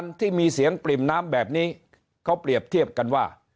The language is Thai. ที่มีเสียงปริ่มน้ำแบบนี้เขาเปรียบเทียบกันว่า